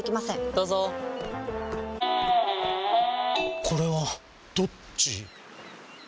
どうぞこれはどっち？